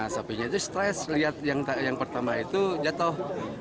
sapinya itu stres lihat yang pertama itu jatuh